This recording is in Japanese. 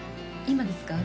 今ですか？